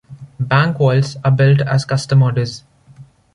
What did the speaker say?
Bank vaults are built as custom orders.